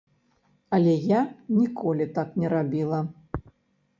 Але я ніколі так не рабіла.